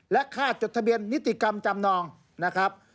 และค่าจดทะเบียนนิติกรรมจำนองนะครับ